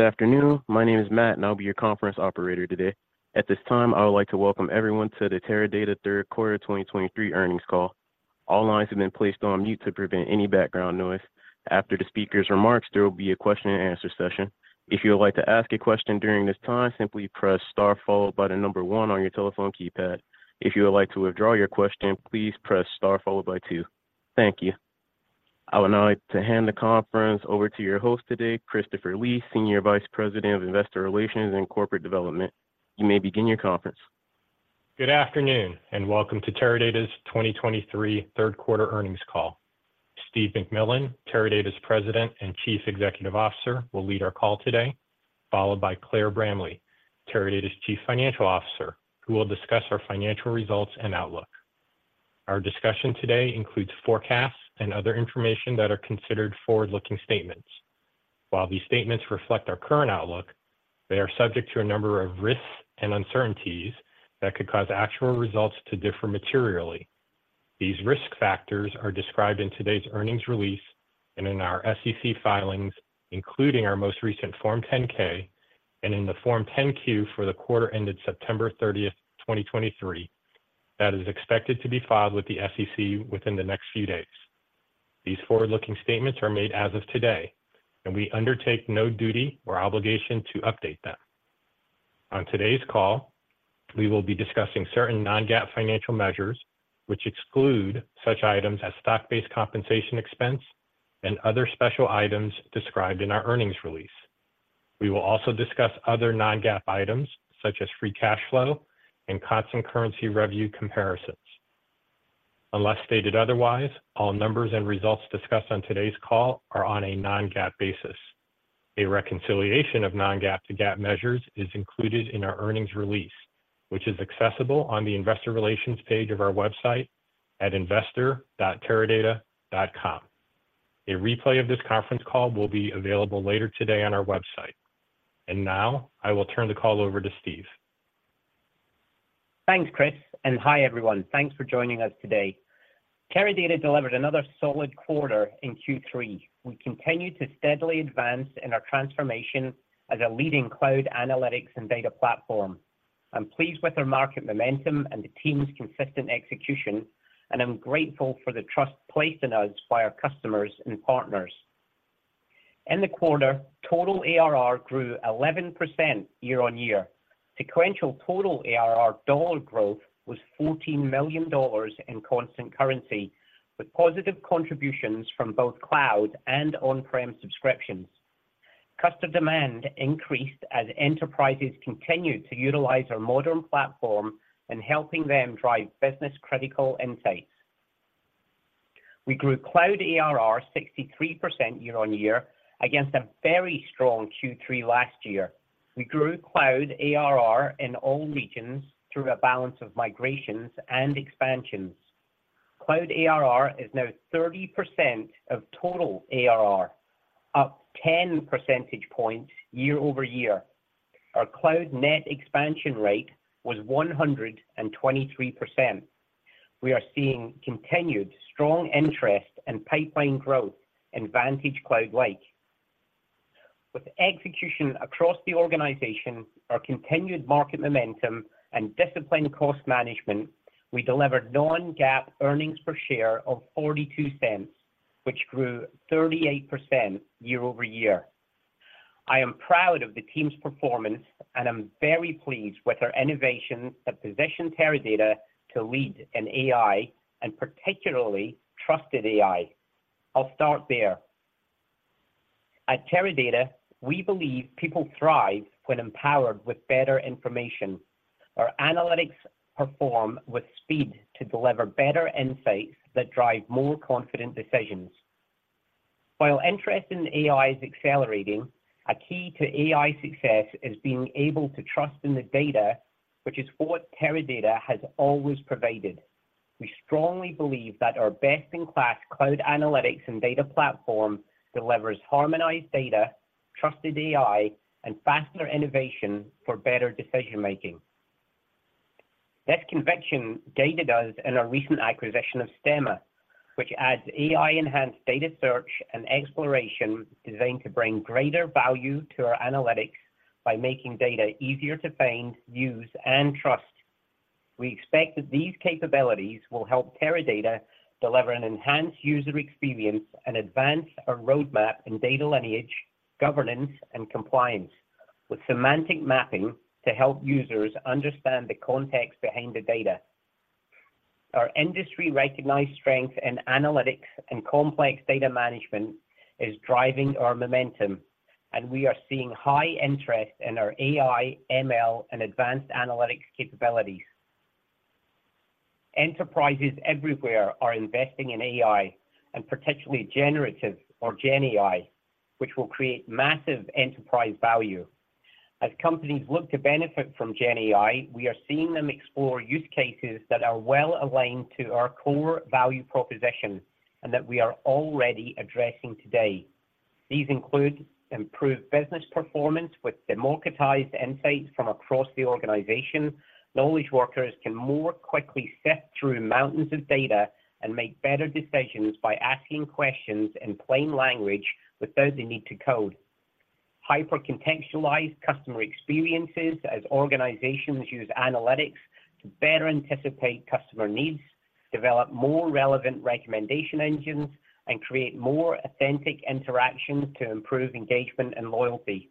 Good afternoon. My name is Matt, and I'll be your conference operator today. At this time, I would like to welcome everyone to the Teradata third quarter 2023 earnings call. All lines have been placed on mute to prevent any background noise. After the speaker's remarks, there will be a question and answer session. If you would like to ask a question during this time, simply press star followed by the number one on your telephone keypad. If you would like to withdraw your question, please press star followed by two. Thank you. I would now like to hand the conference over to your host today, Christopher Lee, Senior Vice President of Investor Relations and Corporate Development. You may begin your conference. Good afternoon, and welcome to Teradata's 2023 third quarter earnings call. Steve McMillan, Teradata's President and Chief Executive Officer, will lead our call today, followed by Claire Bramley, Teradata's Chief Financial Officer, who will discuss our financial results and outlook. Our discussion today includes forecasts and other information that are considered forward-looking statements. While these statements reflect our current outlook, they are subject to a number of risks and uncertainties that could cause actual results to differ materially. These risk factors are described in today's earnings release and in our SEC filings, including our most recent Form 10-K and in the Form 10-Q for the quarter ended September 30, 2023, that is expected to be filed with the SEC within the next few days. These forward-looking statements are made as of today, and we undertake no duty or obligation to update them. On today's call, we will be discussing certain non-GAAP financial measures, which exclude such items as stock-based compensation expense and other special items described in our earnings release. We will also discuss other non-GAAP items such as free cash flow and constant currency revenue comparisons. Unless stated otherwise, all numbers and results discussed on today's call are on a non-GAAP basis. A reconciliation of non-GAAP to GAAP measures is included in our earnings release, which is accessible on the Investor Relations page of our website at investor.teradata.com. A replay of this conference call will be available later today on our website. And now, I will turn the call over to Steve. Thanks, Chris, and hi, everyone. Thanks for joining us today. Teradata delivered another solid quarter in Q3. We continue to steadily advance in our transformation as a leading cloud, analytics, and data platform. I'm pleased with our market momentum and the team's consistent execution, and I'm grateful for the trust placed in us by our customers and partners. In the quarter, total ARR grew 11% year-over-year. Sequential total ARR dollar growth was $14 million in constant currency, with positive contributions from both cloud and on-prem subscriptions. Customer demand increased as enterprises continued to utilize our modern platform in helping them drive business-critical insights. We grew cloud ARR 63% year-over-year against a very strong Q3 last year. We grew cloud ARR in all regions through a balance of migrations and expansions. Cloud ARR is now 30% of total ARR, up 10 percentage points year-over-year. Our cloud net expansion rate was 123%. We are seeing continued strong interest and pipeline growth in VantageCloud Lake. With execution across the organization, our continued market momentum, and disciplined cost management, we delivered non-GAAP earnings per share of $0.42, which grew 38% year-over-year. I am proud of the team's performance, and I'm very pleased with our innovations that position Teradata to lead in AI, and particularly trusted AI. I'll start there. At Teradata, we believe people thrive when empowered with better information. Our analytics perform with speed to deliver better insights that drive more confident decisions. While interest in AI is accelerating, a key to AI success is being able to trust in the data, which is what Teradata has always provided. We strongly believe that our best-in-class cloud analytics and data platform delivers harmonized data, trusted AI, and faster innovation for better decision-making. This conviction guided us in our recent acquisition of Stemma, which adds AI-enhanced data search and exploration, designed to bring greater value to our analytics by making data easier to find, use, and trust. We expect that these capabilities will help Teradata deliver an enhanced user experience and advance our roadmap in data lineage, governance, and compliance, with semantic mapping to help users understand the context behind the data. Our industry-recognized strength in analytics and complex data management is driving our momentum, and we are seeing high interest in our AI, ML, and advanced analytics capabilities. Enterprises everywhere are investing in AI, and particularly generative or GenAI, which will create massive enterprise value. As companies look to benefit from GenAI, we are seeing them explore use cases that are well aligned to our core value proposition and that we are already addressing today. These include improved business performance with democratized insights from across the organization. Knowledge workers can more quickly sift through mountains of data and make better decisions by asking questions in plain language without the need to code. Hyper contextualized customer experiences as organizations use analytics to better anticipate customer needs, develop more relevant recommendation engines, and create more authentic interactions to improve engagement and loyalty.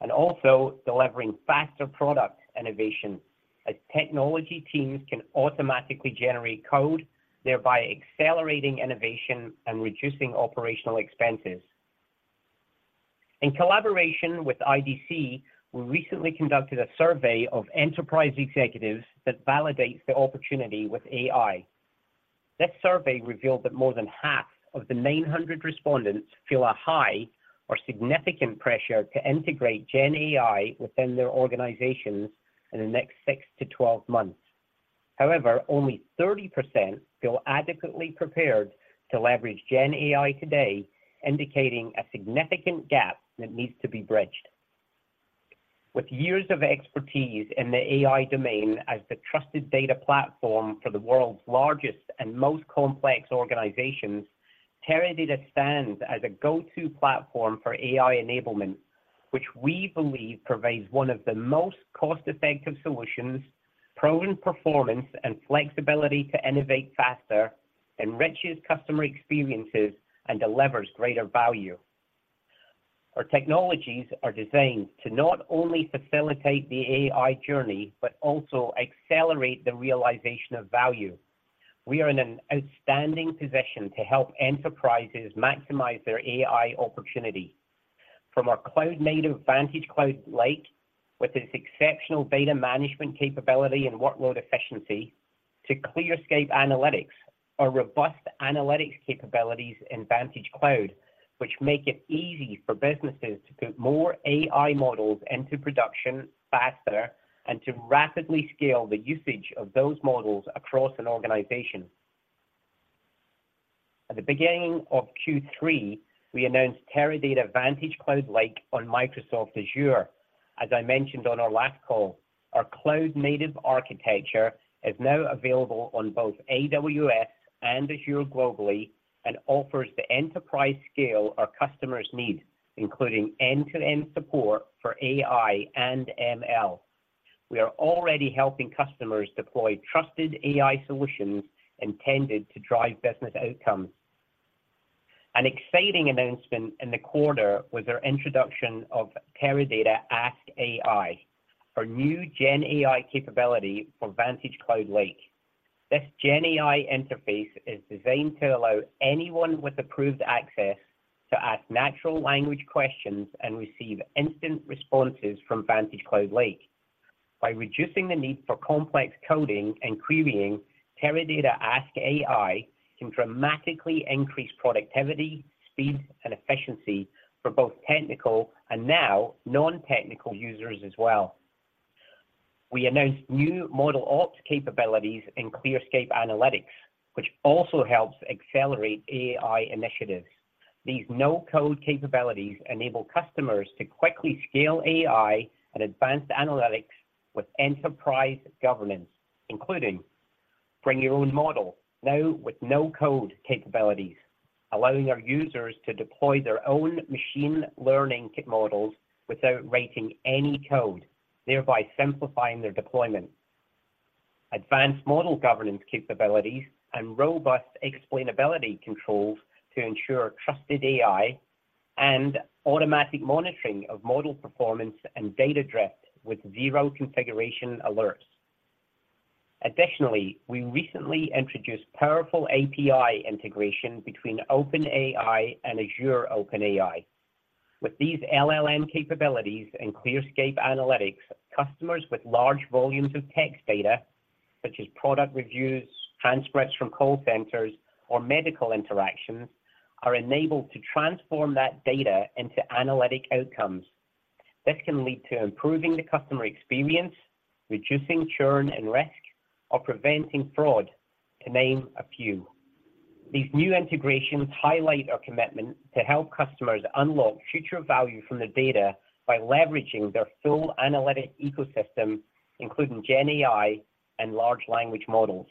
And also delivering faster product innovation, as technology teams can automatically generate code, thereby accelerating innovation and reducing operational expenses. In collaboration with IDC, we recently conducted a survey of enterprise executives that validates the opportunity with AI. This survey revealed that more than half of the 900 respondents feel a high or significant pressure to integrate GenAI within their organizations in the next six to 12 months. However, only 30% feel adequately prepared to leverage GenAI today, indicating a significant gap that needs to be bridged. With years of expertise in the AI domain as the trusted data platform for the world's largest and most complex organizations, Teradata stands as a go-to platform for AI enablement, which we believe provides one of the most cost-effective solutions, proven performance and flexibility to innovate faster, enriches customer experiences, and delivers greater value. Our technologies are designed to not only facilitate the AI journey, but also accelerate the realization of value. We are in an outstanding position to help enterprises maximize their AI opportunity. From our cloud-native VantageCloud Lake, with its exceptional data management capability and workload efficiency, to ClearScape Analytics, our robust analytics capabilities in VantageCloud, which make it easy for businesses to put more AI models into production faster and to rapidly scale the usage of those models across an organization. At the beginning of Q3, we announced Teradata VantageCloud Lake on Microsoft Azure. As I mentioned on our last call, our cloud-native architecture is now available on both AWS and Azure globally, and offers the enterprise scale our customers need, including end-to-end support for AI and ML. We are already helping customers deploy trusted AI solutions intended to drive business outcomes. An exciting announcement in the quarter was our introduction of Teradata Ask.AI, our new Gen AI capability for VantageCloud Lake. This GenAI interface is designed to allow anyone with approved access to ask natural language questions and receive instant responses from VantageCloud Lake. By reducing the need for complex coding and querying, Teradata Ask.AI can dramatically increase productivity, speed, and efficiency for both technical and now non-technical users as well. We announced new ModelOps capabilities in ClearScape Analytics, which also helps accelerate AI initiatives. These no-code capabilities enable customers to quickly scale AI and advanced analytics with enterprise governance, including bring your own model, now with no-code capabilities, allowing our users to deploy their own machine learning models without writing any code, thereby simplifying their deployment. Advanced model governance capabilities and robust explainability controls to ensure trusted AI and automatic monitoring of model performance and data drift with zero configuration alerts. Additionally, we recently introduced powerful API integration between OpenAI and Azure OpenAI. With these LLM capabilities in ClearScape Analytics, customers with large volumes of text data, such as product reviews, transcripts from call centers, or medical interactions, are enabled to transform that data into analytic outcomes. This can lead to improving the customer experience, reducing churn and risk, or preventing fraud, to name a few. These new integrations highlight our commitment to help customers unlock future value from their data by leveraging their full analytic ecosystem, including Gen AI and large language models.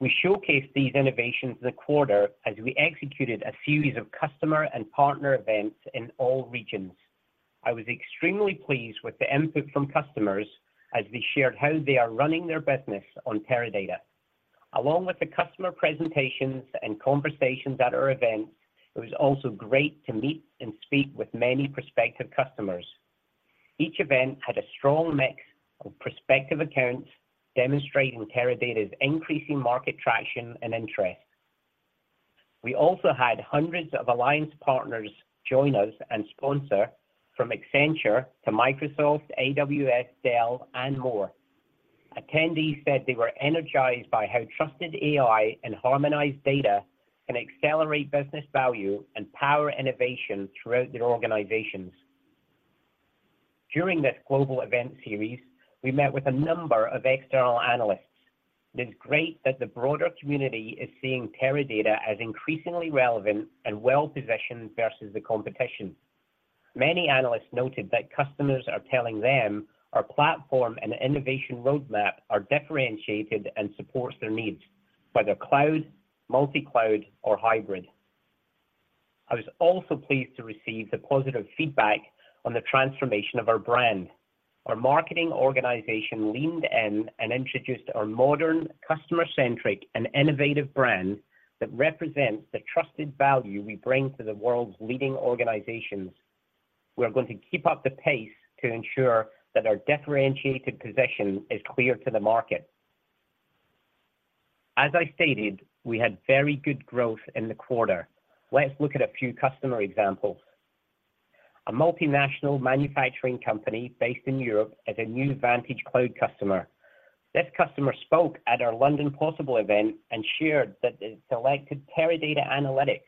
We showcased these innovations this quarter as we executed a series of customer and partner events in all regions. I was extremely pleased with the input from customers as they shared how they are running their business on Teradata. Along with the customer presentations and conversations at our events, it was also great to meet and speak with many prospective customers. Each event had a strong mix of prospective accounts, demonstrating Teradata's increasing market traction and interest. We also had hundreds of alliance partners join us and sponsor, from Accenture to Microsoft, AWS, Dell, and more. Attendees said they were energized by how trusted AI and harmonized data can accelerate business value and power innovation throughout their organizations. During this global event series, we met with a number of external analysts. It is great that the broader community is seeing Teradata as increasingly relevant and well-positioned versus the competition. Many analysts noted that customers are telling them our platform and innovation roadmap are differentiated and supports their needs.... whether cloud, multi-cloud, or hybrid. I was also pleased to receive the positive feedback on the transformation of our brand. Our marketing organization leaned in and introduced our modern, customer-centric, and innovative brand that represents the trusted value we bring to the world's leading organizations. We are going to keep up the pace to ensure that our differentiated position is clear to the market. As I stated, we had very good growth in the quarter. Let's look at a few customer examples. A multinational manufacturing company based in Europe is a new VantageCloud customer. This customer spoke at our London Possible event and shared that it selected Teradata Analytics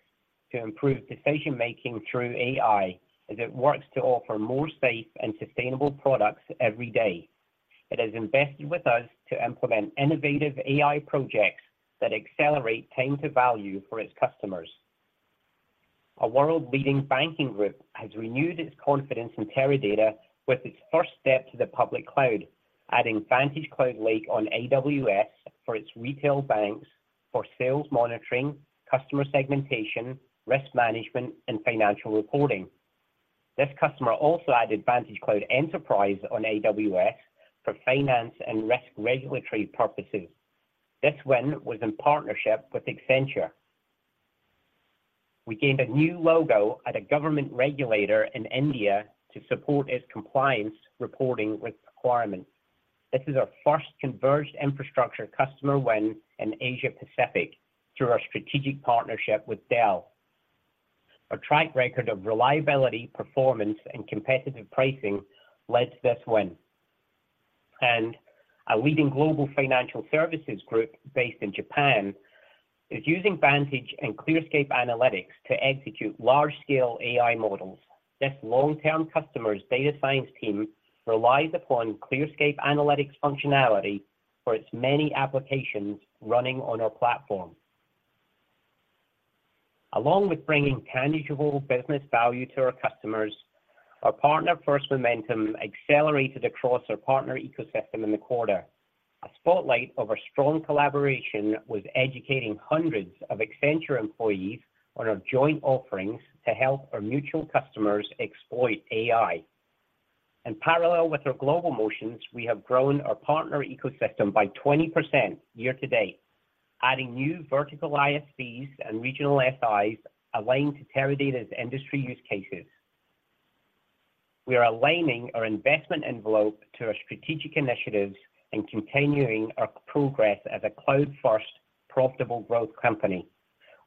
to improve decision-making through AI, as it works to offer more safe and sustainable products every day. It has invested with us to implement innovative AI projects that accelerate time to value for its customers. A world-leading banking group has renewed its confidence in Teradata with its first step to the public cloud, adding VantageCloud Lake on AWS for its retail banks for sales monitoring, customer segmentation, risk management, and financial reporting. This customer also added VantageCloud Enterprise on AWS for finance and risk regulatory purposes. This win was in partnership with Accenture. We gained a new logo at a government regulator in India to support its compliance reporting with requirements. This is our first converged infrastructure customer win in Asia Pacific through our strategic partnership with Dell. Our track record of reliability, performance, and competitive pricing led to this win. And a leading global financial services group based in Japan is using Vantage and ClearScape Analytics to execute large-scale AI models. This long-term customer's data science team relies upon ClearScape Analytics functionality for its many applications running on our platform. Along with bringing tangible business value to our customers, our partner first momentum accelerated across our partner ecosystem in the quarter. A spotlight of our strong collaboration was educating hundreds of Accenture employees on our joint offerings to help our mutual customers exploit AI. In parallel with our global motions, we have grown our partner ecosystem by 20% year to date, adding new vertical ISVs and regional SIs aligned to Teradata's industry use cases. We are aligning our investment envelope to our strategic initiatives and continuing our progress as a cloud-first, profitable growth company.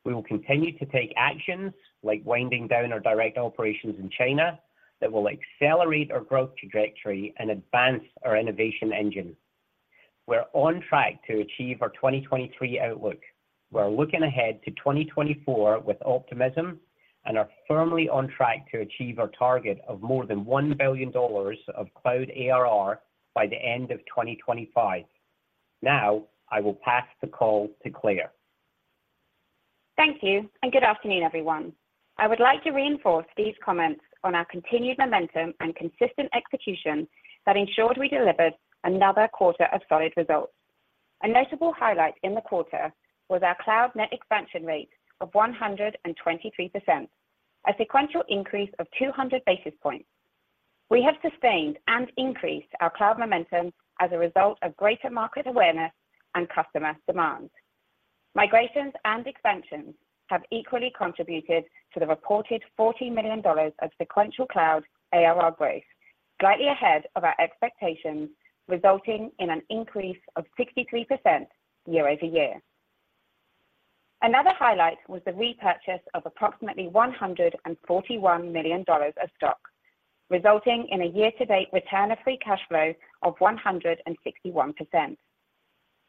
We will continue to take actions, like winding down our direct operations in China, that will accelerate our growth trajectory and advance our innovation engine. We're on track to achieve our 2023 outlook. We're looking ahead to 2024 with optimism and are firmly on track to achieve our target of more than $1 billion of cloud ARR by the end of 2025. Now, I will pass the call to Claire. Thank you, and good afternoon, everyone. I would like to reinforce Steve's comments on our continued momentum and consistent execution that ensured we delivered another quarter of solid results. A notable highlight in the quarter was our cloud net expansion rate of 123%, a sequential increase of 200 basis points. We have sustained and increased our cloud momentum as a result of greater market awareness and customer demand. Migrations and expansions have equally contributed to the reported $14 million of sequential cloud ARR growth, slightly ahead of our expectations, resulting in an increase of 63% year-over-year. Another highlight was the repurchase of approximately $141 million of stock, resulting in a year-to-date return of free cash flow of 161%.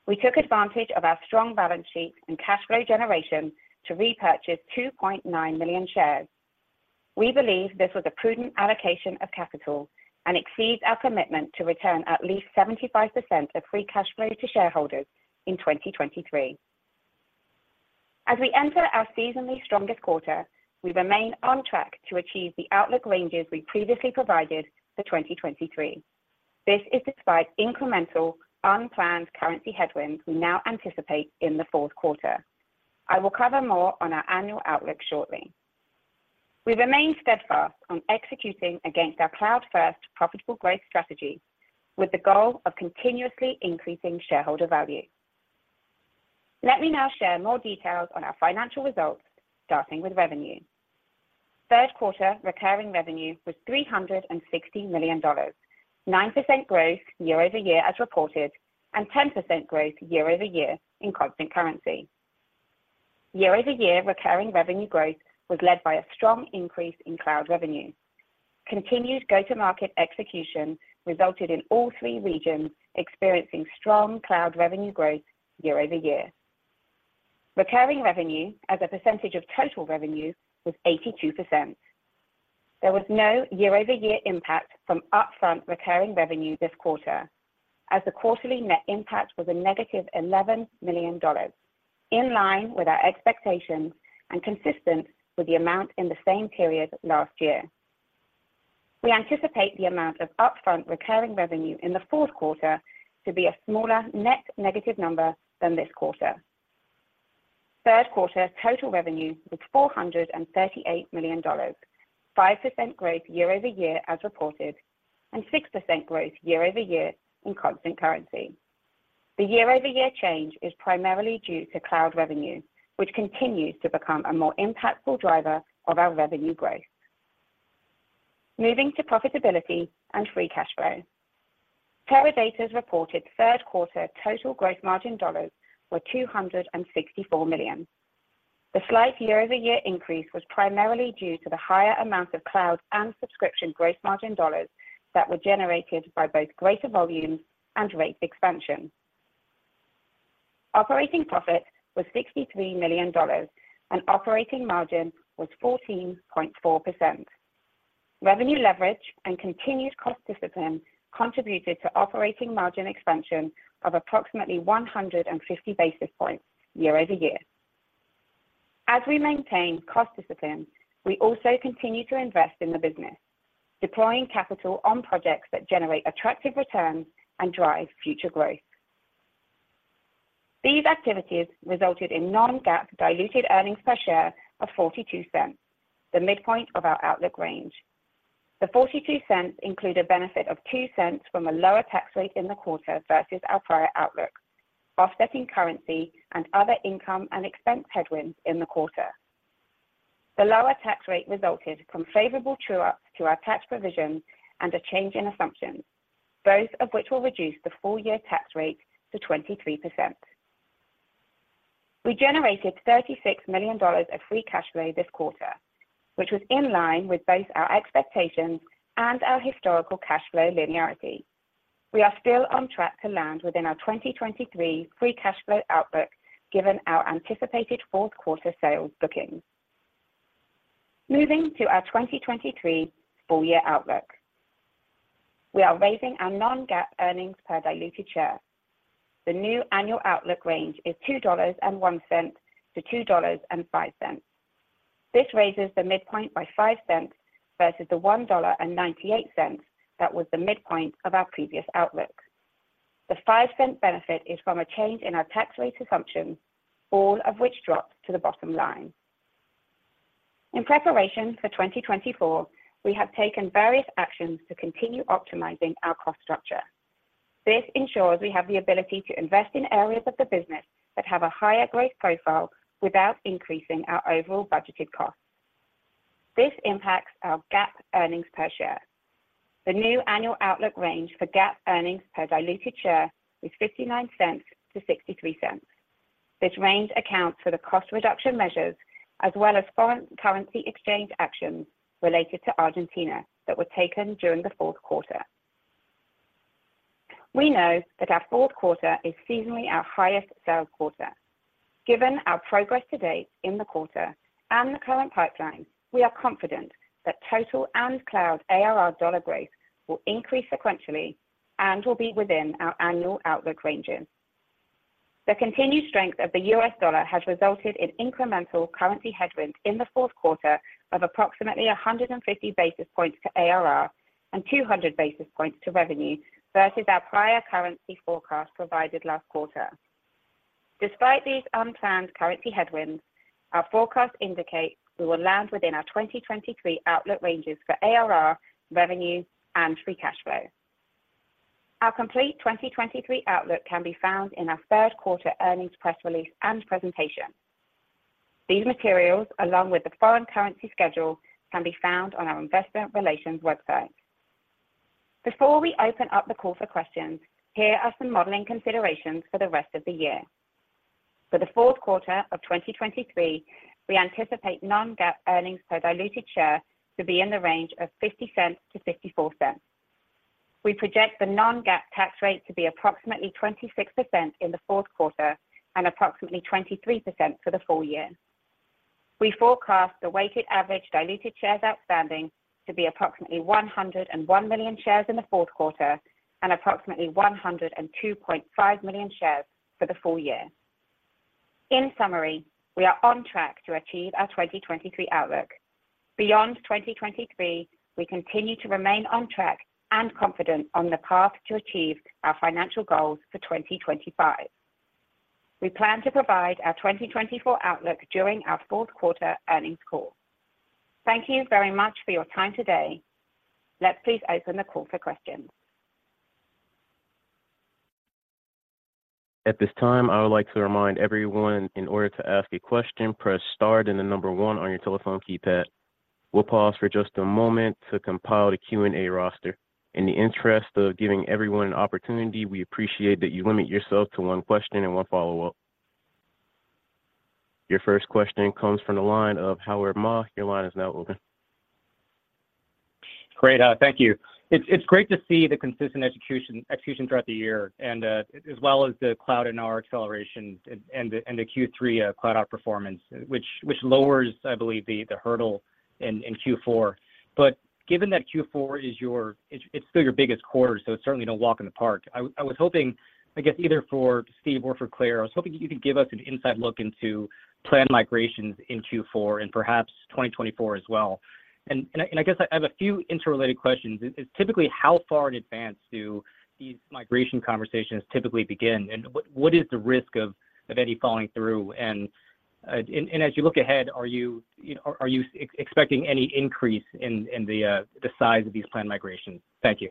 We took advantage of our strong balance sheet and cash flow generation to repurchase 2.9 million shares. We believe this was a prudent allocation of capital and exceeds our commitment to return at least 75% of free cash flow to shareholders in 2023. As we enter our seasonally strongest quarter, we remain on track to achieve the outlook ranges we previously provided for 2023. This is despite incremental, unplanned currency headwinds we now anticipate in the fourth quarter. I will cover more on our annual outlook shortly. We remain steadfast on executing against our cloud-first, profitable growth strategy with the goal of continuously increasing shareholder value. Let me now share more details on our financial results, starting with revenue. Third quarter recurring revenue was $360 million, 9% growth year-over-year as reported, and 10% growth year-over-year in constant currency. Year-over-year, recurring revenue growth was led by a strong increase in cloud revenue. Continued go-to-market execution resulted in all three regions experiencing strong cloud revenue growth year-over-year. Recurring revenue, as a percentage of total revenue, was 82%. There was no year-over-year impact from upfront recurring revenue this quarter, as the quarterly net impact was a negative $11 million, in line with our expectations and consistent with the amount in the same period last year. We anticipate the amount of upfront recurring revenue in the fourth quarter to be a smaller net negative number than this quarter. Third quarter total revenue was $438 million, 5% growth year-over-year as reported, and 6% growth year-over-year in constant currency. The year-over-year change is primarily due to cloud revenue, which continues to become a more impactful driver of our revenue growth. Moving to profitability and free cash flow. Teradata's reported third quarter total gross margin dollars were $264 million. The slight year-over-year increase was primarily due to the higher amount of cloud and subscription gross margin dollars that were generated by both greater volume and rate expansion. Operating profit was $63 million, and operating margin was 14.4%. Revenue leverage and continued cost discipline contributed to operating margin expansion of approximately 150 basis points year-over-year. As we maintain cost discipline, we also continue to invest in the business, deploying capital on projects that generate attractive returns and drive future growth. These activities resulted in non-GAAP diluted earnings per share of $0.42, the midpoint of our outlook range. The $0.42 include a benefit of $0.02 from a lower tax rate in the quarter versus our prior outlook, offsetting currency and other income and expense headwinds in the quarter. The lower tax rate resulted from favorable true-ups to our tax provisions and a change in assumptions, both of which will reduce the full year tax rate to 23%. We generated $36 million of free cash flow this quarter, which was in line with both our expectations and our historical cash flow linearity. We are still on track to land within our 2023 free cash flow outlook, given our anticipated fourth quarter sales bookings. Moving to our 2023 full year outlook. We are raising our non-GAAP earnings per diluted share. The new annual outlook range is $2.01-$2.05. This raises the midpoint by $0.05 versus the $1.98 that was the midpoint of our previous outlook. The $0.05 benefit is from a change in our tax rate assumption, all of which dropped to the bottom line. In preparation for 2024, we have taken various actions to continue optimizing our cost structure. This ensures we have the ability to invest in areas of the business that have a higher growth profile without increasing our overall budgeted costs. This impacts our GAAP earnings per share. The new annual outlook range for GAAP earnings per diluted share is $0.59-$0.63. This range accounts for the cost reduction measures, as well as foreign currency exchange actions related to Argentina that were taken during the fourth quarter. We know that our fourth quarter is seasonally our highest sales quarter. Given our progress to date in the quarter and the current pipeline, we are confident that total and cloud ARR dollar growth will increase sequentially and will be within our annual outlook ranges. The continued strength of the U.S. dollar has resulted in incremental currency headwinds in the fourth quarter of approximately 150 basis points to ARR and 200 basis points to revenue versus our prior currency forecast provided last quarter. Despite these unplanned currency headwinds, our forecast indicates we will land within our 2023 outlook ranges for ARR, revenue, and free cash flow. Our complete 2023 outlook can be found in our third quarter earnings press release and presentation. These materials, along with the foreign currency schedule, can be found on our investor relations website. Before we open up the call for questions, here are some modeling considerations for the rest of the year. For the fourth quarter of 2023, we anticipate non-GAAP earnings per diluted share to be in the range of $0.50-$0.54. We project the non-GAAP tax rate to be approximately 26% in the fourth quarter and approximately 23% for the full year. We forecast the weighted average diluted shares outstanding to be approximately 101 million shares in the fourth quarter and approximately 102.5 million shares for the full year. In summary, we are on track to achieve our 2023 outlook. Beyond 2023, we continue to remain on track and confident on the path to achieve our financial goals for 2025. We plan to provide our 2024 outlook during our fourth quarter earnings call. Thank you very much for your time today. Let's please open the call for questions. At this time, I would like to remind everyone, in order to ask a question, press star and the number one on your telephone keypad. We'll pause for just a moment to compile the Q&A roster. In the interest of giving everyone an opportunity, we appreciate that you limit yourself to one question and one follow-up. Your first question comes from the line of Howard Ma. Your line is now open. Great, thank you. It's great to see the consistent execution throughout the year and, as well as the cloud and our acceleration and the, and the Q3 cloud outperformance, which lowers, I believe, the, the hurdle in, in Q4. But given that Q4 is your... It's still your biggest quarter, so it's certainly no walk in the park. I was hoping, I guess, either for Steve or for Claire, I was hoping you could give us an inside look into planned migrations in Q4 and perhaps 2024 as well. And, I guess I have a few interrelated questions. Typically, how far in advance do these migration conversations typically begin? And what is the risk of any falling through and,... and as you look ahead, are you, you know, expecting any increase in the size of these planned migrations? Thank you.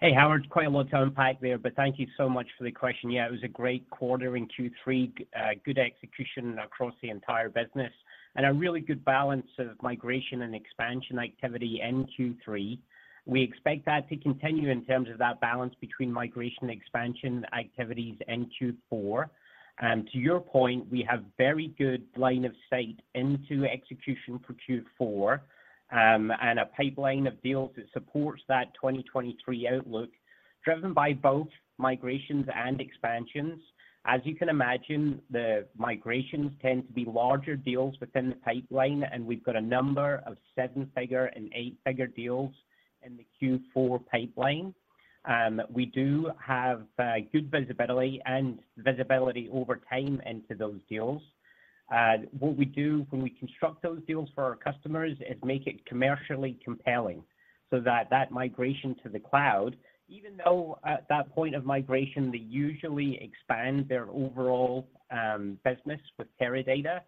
Hey, Howard, quite a lot to unpack there, but thank you so much for the question. Yeah, it was a great quarter in Q3. Good execution across the entire business, and a really good balance of migration and expansion activity in Q3. We expect that to continue in terms of that balance between migration and expansion activities in Q4. And to your point, we have very good line of sight into execution for Q4, and a pipeline of deals that supports that 2023 outlook, driven by both migrations and expansions. As you can imagine, the migrations tend to be larger deals within the pipeline, and we've got a number of seven-figure and eight-figure deals in the Q4 pipeline. We do have good visibility and visibility over time into those deals. What we do when we construct those deals for our customers is make it commercially compelling, so that that migration to the cloud, even though at that point of migration they usually expand their overall business with Teradata,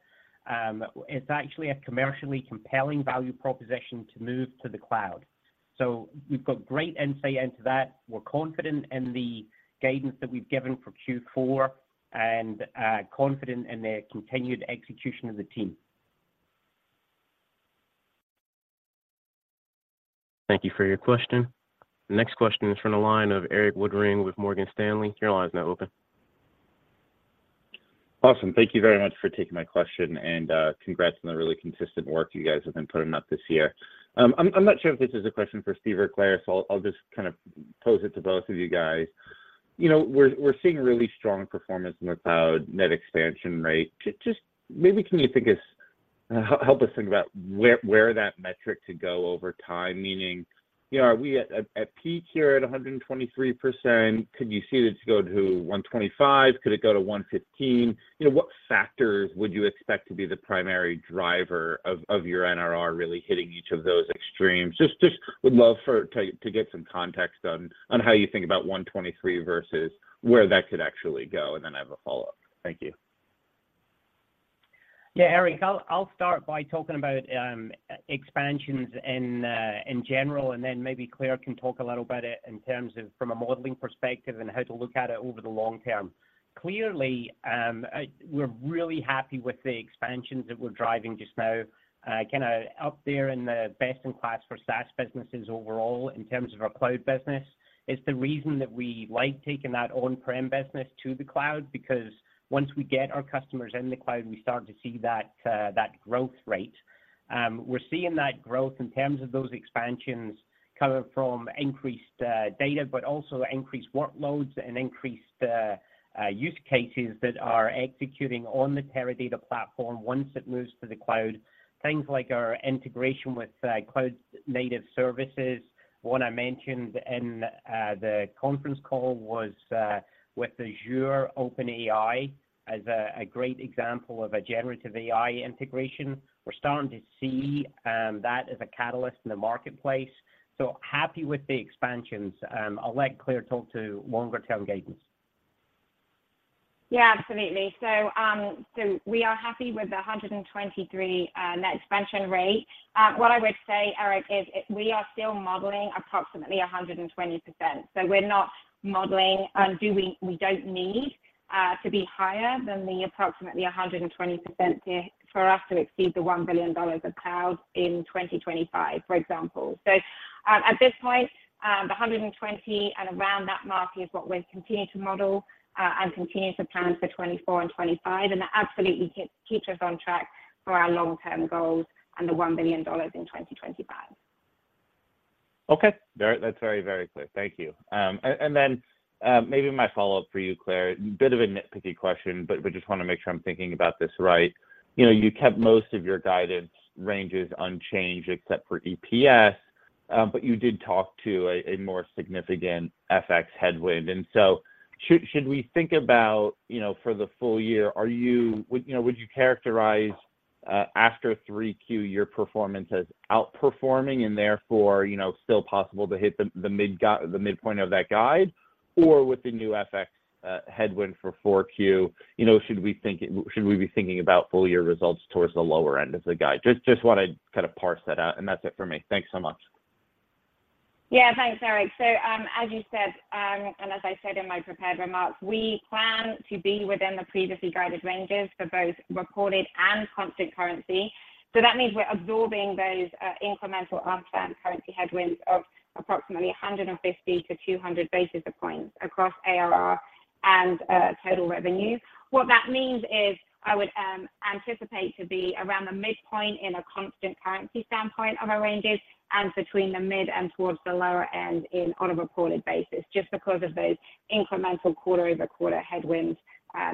it's actually a commercially compelling value proposition to move to the cloud. So we've got great insight into that. We're confident in the guidance that we've given for Q4 and confident in the continued execution of the team. Thank you for your question. The next question is from the line of Erik Woodring with Morgan Stanley. Your line is now open. Awesome. Thank you very much for taking my question, and congrats on the really consistent work you guys have been putting up this year. I'm not sure if this is a question for Steve or Claire, so I'll just kind of pose it to both of you guys. You know, we're seeing really strong performance in the cloud net expansion rate. Just maybe, can you help us think about where that metric could go over time? Meaning, you know, are we at a peak here at 123%? Could you see this go to 125%? Could it go to 115%? You know, what factors would you expect to be the primary driver of your NRR really hitting each of those extremes? Just would love to get some context on how you think about 123 versus where that could actually go. And then I have a follow-up. Thank you. Yeah, Erik, I'll start by talking about expansions in general, and then maybe Claire can talk a little about it in terms of from a modeling perspective and how to look at it over the long term. Clearly, we're really happy with the expansions that we're driving just now, kind of up there in the best-in-class for SaaS businesses overall in terms of our cloud business. It's the reason that we like taking that on-prem business to the cloud, because once we get our customers in the cloud, we start to see that growth rate. We're seeing that growth in terms of those expansions coming from increased data, but also increased workloads and increased use cases that are executing on the Teradata platform once it moves to the cloud. Things like our integration with cloud native services. One I mentioned in the conference call was with the Azure OpenAI as a great example of a generative AI integration. We're starting to see that as a catalyst in the marketplace. So happy with the expansions. I'll let Claire talk to longer-term guidance. Yeah, absolutely. So, so we are happy with the 123 net expansion rate. What I would say, Erik, is, we are still modeling approximately 120%. So we're not modeling, we don't need to be higher than the approximately 120% to, for us to exceed the $1 billion of cloud in 2025, for example. So at this point, the 120 and around that mark is what we've continued to model, and continued to plan for 2024 and 2025. And that absolutely keeps us on track for our long-term goals and the $1 billion in 2025. Okay. That's very, very clear. Thank you. And then, maybe my follow-up for you, Claire, bit of a nitpicky question, but we just want to make sure I'm thinking about this right. You know, you kept most of your guidance ranges unchanged, except for EPS, but you did talk to a more significant FX headwind. And so should we think about, you know, for the full year, would you characterize, after 3Q, your performance as outperforming and therefore, you know, still possible to hit the midpoint of that guide, or with the new FX headwind for 4Q, you know, should we be thinking about full year results towards the lower end of the guide? Just want to kind of parse that out, and that's it for me. Thank you so much. Yeah. Thanks, Eric. So, as you said, and as I said in my prepared remarks, we plan to be within the previously guided ranges for both recorded and constant currency. So that means we're absorbing those incremental unplanned currency headwinds of approximately 150-200 basis points across ARR and total revenue. What that means is, I would anticipate to be around the midpoint in a constant currency standpoint of our ranges and between the mid and towards the lower end in on a reported basis, just because of those incremental quarter-over-quarter headwinds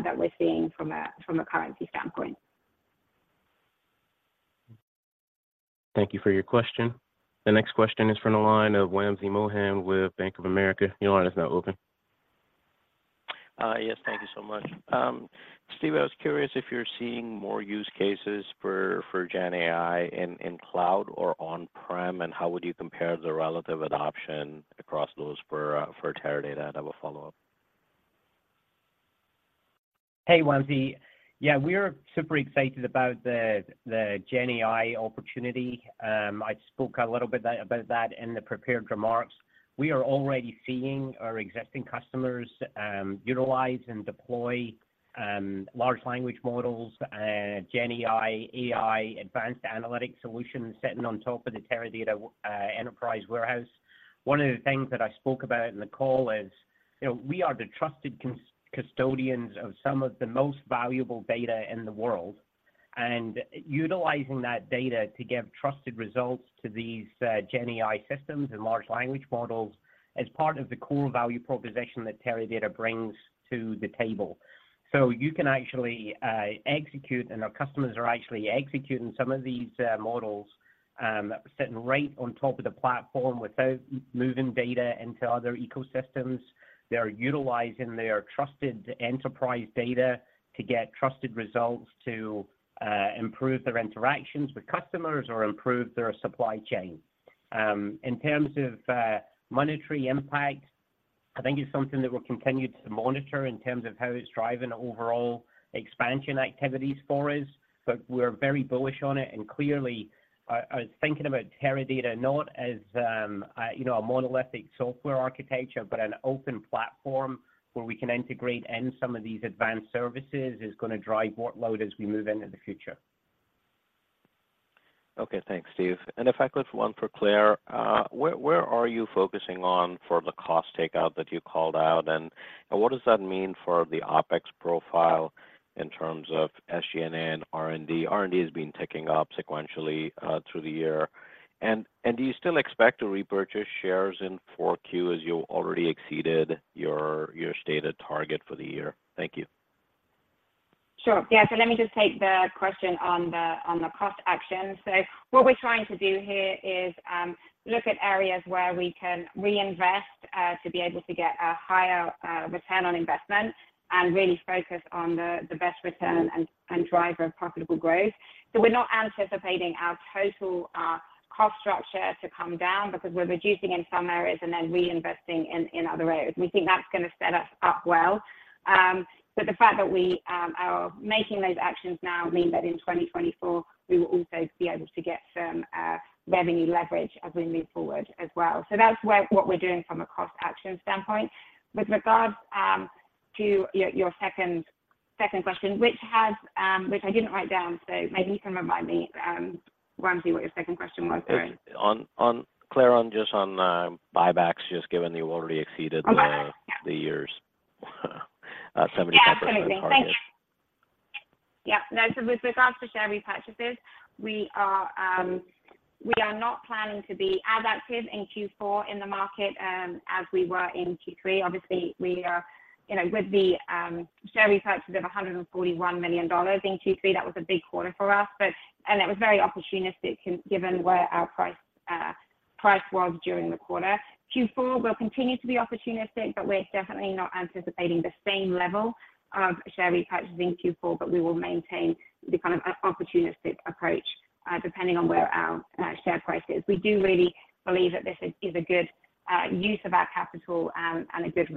that we're seeing from a, from a currency standpoint. Thank you for your question. The next question is from the line of Wamsi Mohan with Bank of America. Your line is now open. Yes, thank you so much. Steve, I was curious if you're seeing more use cases for GenAI in cloud or on-prem, and how would you compare the relative adoption across those for Teradata? I have a follow-up. Hey, Wamsi. Yeah, we're super excited about the GenAI opportunity. I spoke a little bit about that in the prepared remarks. We are already seeing our existing customers utilize and deploy large language models, GenAI, AI, advanced analytic solutions sitting on top of the Teradata enterprise warehouse. One of the things that I spoke about in the call is, you know, we are the trusted custodians of some of the most valuable data in the world, and utilizing that data to give trusted results to these GenAI systems and large language models is part of the core value proposition that Teradata brings to the table. So you can actually execute, and our customers are actually executing some of these models sitting right on top of the platform without moving data into other ecosystems. They are utilizing their trusted enterprise data to get trusted results, to improve their interactions with customers or improve their supply chain. In terms of monetary impact, I think it's something that we'll continue to monitor in terms of how it's driving overall expansion activities for us, but we're very bullish on it. And clearly thinking about Teradata, not as, you know, a monolithic software architecture, but an open platform where we can integrate in some of these advanced services, is gonna drive workload as we move into the future. Okay, thanks, Steve. And if I could one for Claire. Where, where are you focusing on for the cost takeout that you called out, and what does that mean for the OpEx profile in terms of SG&A and R&D? R&D has been ticking up sequentially through the year. And do you still expect to repurchase shares in 4Q as you already exceeded your stated target for the year? Thank you. Sure. Yeah, so let me just take the question on the cost action. So what we're trying to do here is look at areas where we can reinvest to be able to get a higher return on investment and really focus on the best return and driver of profitable growth. So we're not anticipating our total cost structure to come down because we're reducing in some areas and then reinvesting in other areas. We think that's gonna set us up well. But the fact that we are making those actions now mean that in 2024 we will also be able to get some revenue leverage as we move forward as well. So that's where what we're doing from a cost action standpoint. With regards to your second question, which has... Which I didn't write down, so maybe you can remind me, Wamsi, what your second question was, sorry. Claire, on just on buybacks, just given that you already exceeded the year's 75%. Yeah, absolutely. Thank you. Yeah. No, so with regards to share repurchases, we are, we are not planning to be as active in Q4 in the market, as we were in Q3. Obviously, we are, you know, with the, share repurchases of $141 million in Q3, that was a big quarter for us, but... And it was very opportunistic, given where our price, price was during the quarter. Q4, we'll continue to be opportunistic, but we're definitely not anticipating the same level of share repurchasing in Q4, but we will maintain the kind of opportunistic approach, depending on where our, share price is. We do really believe that this is, is a good, use of our capital, and a good,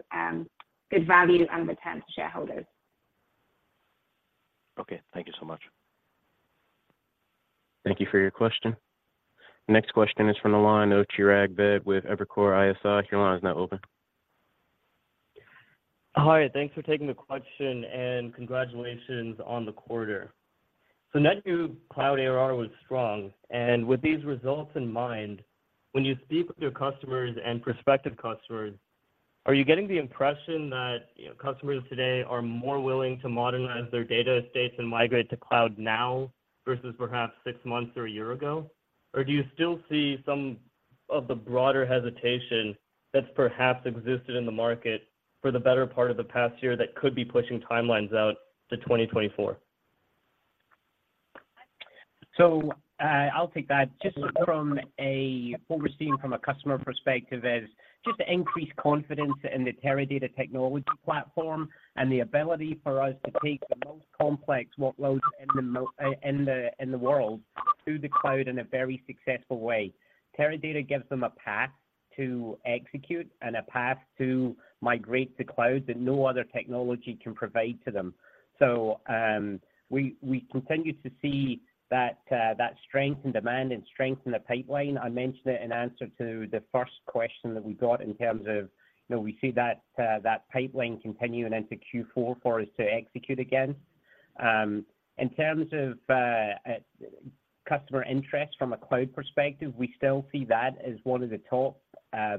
good value and return to shareholders. Okay, thank you so much. Thank you for your question. Next question is from the line of Chirag Ved with Evercore ISI. Your line is now open. Hi, thanks for taking the question, and congratulations on the quarter. So NetSuite cloud ARR was strong, and with these results in mind, when you speak with your customers and prospective customers, are you getting the impression that, you know, customers today are more willing to modernize their data estates and migrate to cloud now versus perhaps six months or a year ago? Or do you still see some of the broader hesitation that's perhaps existed in the market for the better part of the past year that could be pushing timelines out to 2024? So, I'll take that. What we're seeing from a customer perspective is just increased confidence in the Teradata technology platform and the ability for us to take the most complex workloads in the world to the cloud in a very successful way. Teradata gives them a path to execute and a path to migrate to cloud that no other technology can provide to them. So, we continue to see that strength and demand and strength in the pipeline. I mentioned it in answer to the first question that we got in terms of, you know, we see that pipeline continuing into Q4 for us to execute again. In terms of customer interest from a cloud perspective, we still see that as one of the top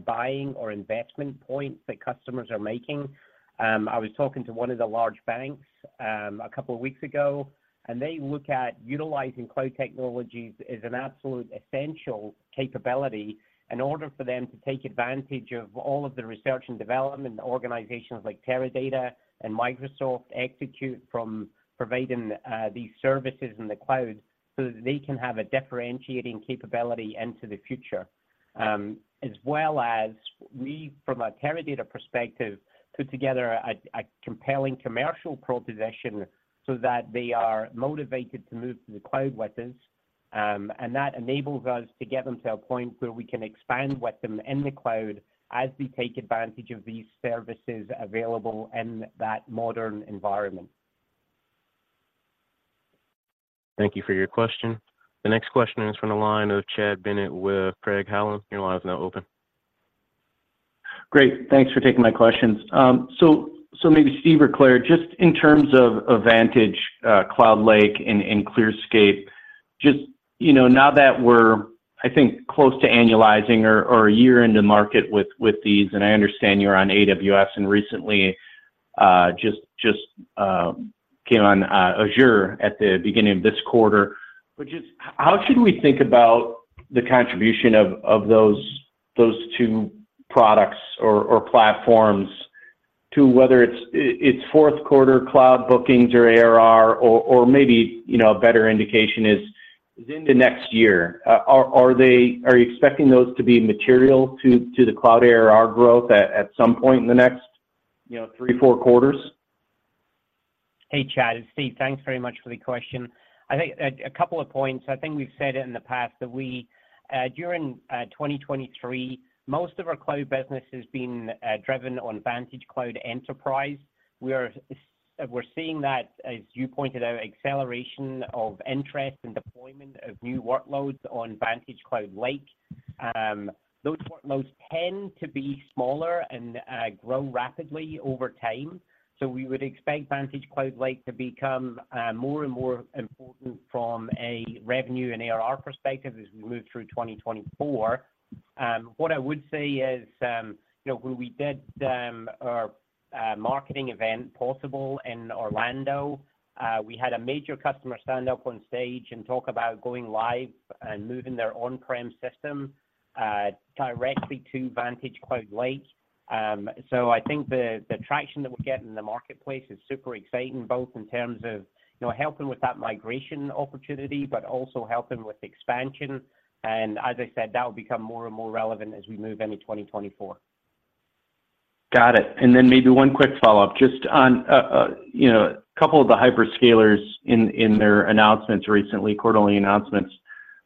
buying or investment points that customers are making. I was talking to one of the large banks, a couple of weeks ago, and they look at utilizing cloud technologies as an absolute essential capability in order for them to take advantage of all of the research and development organizations like Teradata and Microsoft execute from providing these services in the cloud, so that they can have a differentiating capability into the future. As well as we, from a Teradata perspective, put together a compelling commercial proposition so that they are motivated to move to the cloud with us... and that enables us to get them to a point where we can expand with them in the cloud as we take advantage of these services available in that modern environment. Thank you for your question. The next question is from the line of Chad Bennett with Craig-Hallum. Your line is now open. Great, thanks for taking my questions. So maybe Steve or Claire, just in terms of VantageCloud Lake and ClearScape, you know, now that we're, I think, close to annualizing or a year into market with these, and I understand you're on AWS, and recently just came on Azure at the beginning of this quarter. But just how should we think about the contribution of those two products or platforms to whether it's fourth quarter cloud bookings or ARR or maybe, you know, a better indication is in the next year? Are you expecting those to be material to the cloud ARR growth at some point in the next, you know, three to four quarters? Hey, Chad, it's Steve. Thanks very much for the question. I think a couple of points. I think we've said it in the past, that we during 2023, most of our cloud business has been driven on VantageCloud Enterprise. We're seeing that, as you pointed out, acceleration of interest and deployment of new workloads on VantageCloud Lake. Those workloads tend to be smaller and grow rapidly over time. So we would expect VantageCloud Lake to become more and more important from a revenue and ARR perspective as we move through 2024. What I would say is, you know, when we did our marketing event, Possible, in Orlando, we had a major customer stand up on stage and talk about going live and moving their on-prem system directly to VantageCloud Lake. So I think the traction that we're getting in the marketplace is super exciting, both in terms of, you know, helping with that migration opportunity, but also helping with expansion. As I said, that will become more and more relevant as we move into 2024. Got it. And then maybe one quick follow-up, just on, you know, a couple of the hyperscalers in, in their announcements recently, quarterly announcements.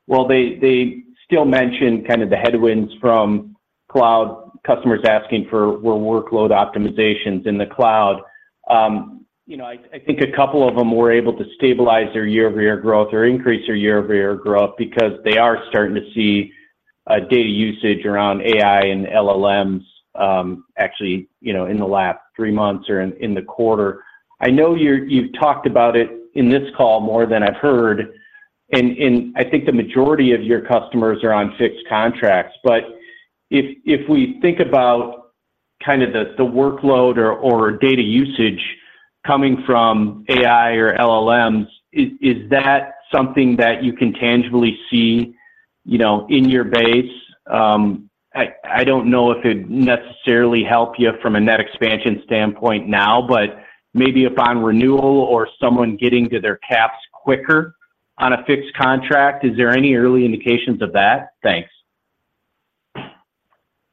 While they, they still mention kind of the headwinds from cloud customers asking for more workload optimizations in the cloud, you know, I, I think a couple of them were able to stabilize their year-over-year growth or increase their year-over-year growth because they are starting to see a data usage around AI and LLMs, actually, you know, in the last three months or in, in the quarter. I know you've talked about it in this call more than I've heard, and, and I think the majority of your customers are on fixed contracts. But if we think about kind of the workload or data usage coming from AI or LLMs, is that something that you can tangibly see, you know, in your base? I don't know if it'd necessarily help you from a net expansion standpoint now, but maybe upon renewal or someone getting to their caps quicker on a fixed contract, is there any early indications of that? Thanks.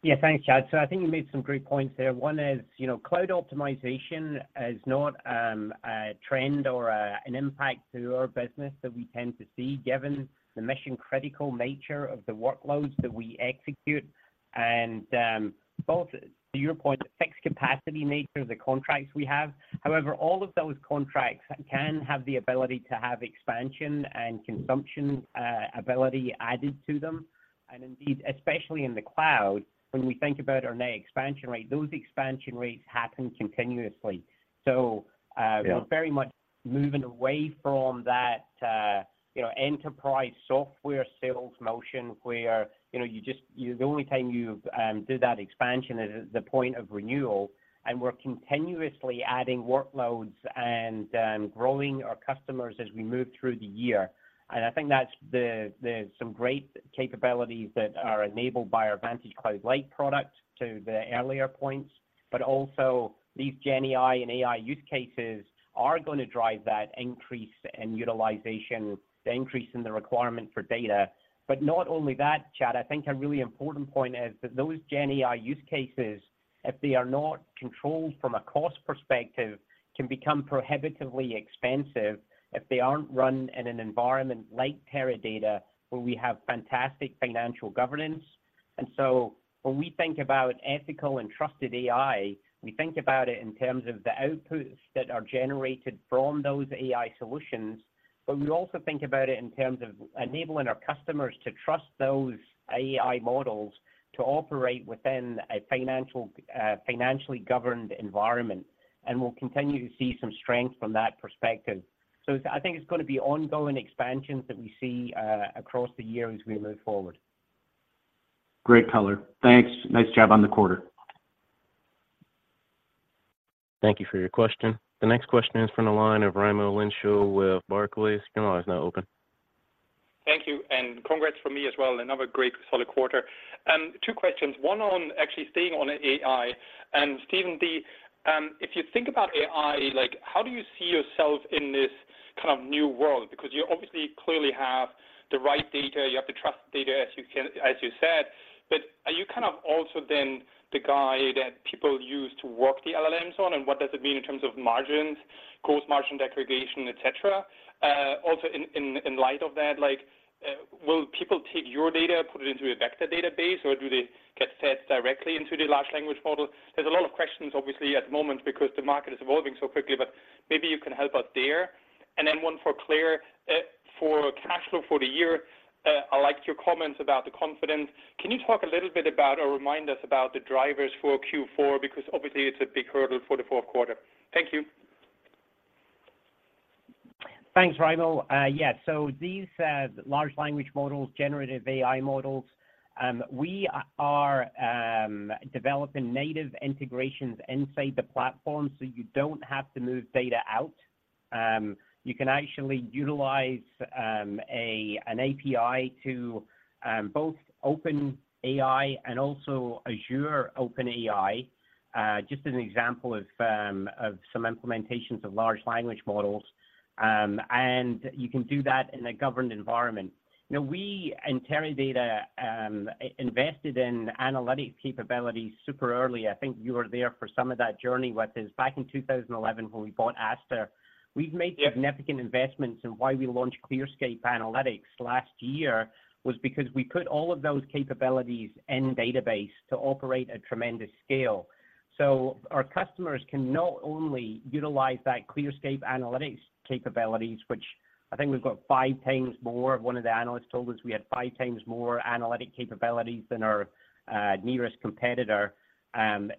Yeah, thanks, Chad. So I think you made some great points there. One is, you know, cloud optimization is not a trend or an impact to our business that we tend to see, given the mission-critical nature of the workloads that we execute, and both to your point, the fixed capacity nature of the contracts we have. However, all of those contracts can have the ability to have expansion and consumption ability added to them. And indeed, especially in the cloud, when we think about our net expansion rate, those expansion rates happen continuously. So, Yeah... we're very much moving away from that, you know, enterprise software sales motion where, you know, the only time you do that expansion is at the point of renewal, and we're continuously adding workloads and growing our customers as we move through the year. And I think that's some great capabilities that are enabled by our VantageCloud Lake product to the earlier points. But also, these GenAI and AI use cases are going to drive that increase in utilization, the increase in the requirement for data. But not only that, Chad, I think a really important point is that those GenAI use cases, if they are not controlled from a cost perspective, can become prohibitively expensive if they aren't run in an environment like Teradata, where we have fantastic financial governance. And so when we think about ethical and trusted AI, we think about it in terms of the outputs that are generated from those AI solutions, but we also think about it in terms of enabling our customers to trust those AI models to operate within a financial, financially governed environment. And we'll continue to see some strength from that perspective. So I think it's going to be ongoing expansions that we see, across the year as we move forward. Great color. Thanks. Nice job on the quarter. Thank you for your question. The next question is from the line of Raimo Lenschow with Barclays. Your line is now open. Thank you, and congrats from me as well. Another great, solid quarter. Two questions. One on actually staying on AI. Steve, if you think about AI, like, how do you see yourself in this kind of new world? Because you obviously, clearly have the right data. You have the trusted data, as you said. But,... you kind of also then the guide that people use to work the LLMs on, and what does it mean in terms of margins, gross margin degradation, et cetera. Also in light of that, like, will people take your data, put it into a vector database, or do they get fed directly into the large language model? There's a lot of questions, obviously, at the moment because the market is evolving so quickly, but maybe you can help us there. And then one for Claire. For cash flow for the year, I liked your comments about the confidence. Can you talk a little bit about, or remind us about the drivers for Q4? Because obviously it's a big hurdle for the fourth quarter. Thank you. Thanks, Raimo. Yeah, so these large language models, generative AI models, we are developing native integrations inside the platform, so you don't have to move data out. You can actually utilize a, an API to both OpenAI and also Azure OpenAI. Just as an example of some implementations of large language models, and you can do that in a governed environment. Now, we and Teradata invested in analytic capabilities super early. I think you were there for some of that journey with us back in 2011, when we bought Aster. We've made significant investments, and why we launched ClearScape Analytics last year, was because we put all of those capabilities in database to operate at tremendous scale. So our customers can not only utilize that ClearScape Analytics capabilities, which I think we've got five times more. One of the analysts told us we had five times more analytic capabilities than our nearest competitor.